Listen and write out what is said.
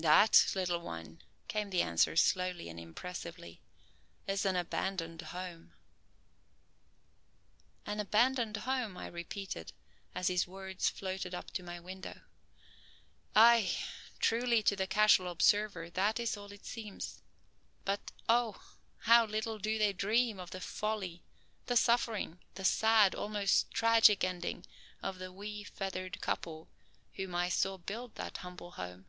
"That, little one," came the answer slowly and impressively, "is an abandoned home." "An abandoned home," I repeated, as his words floated up to my window. "Aye, truly to the casual observer that is all it seems, but, oh, how little do they dream of the folly, the suffering, the sad, almost tragic ending of the wee feathered couple whom I saw build that humble home."